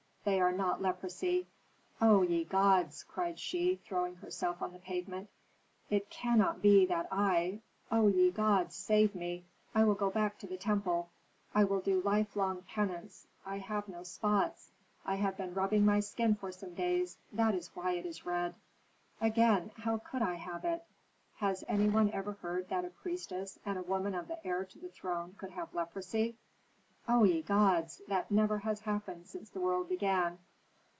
They are not leprosy. O ye gods!" cried she, throwing herself on the pavement. "It cannot be that I O ye gods, save me! I will go back to the temple; I will do lifelong penance I have no spots. I have been rubbing my skin for some days; that is why it is red. Again, how could I have it; has any one ever heard that a priestess and a woman of the heir to the throne could have leprosy? O ye gods! that never has happened since the world began.